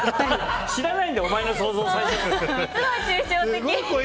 知らないんだよ、お前の想像。